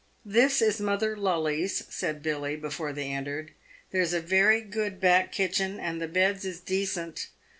" This is Mother Lully's," said Billy, before they entered. " There's a very good back kitchen, and the beds is decent.